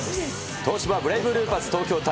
東芝ブレイブルーパス東京対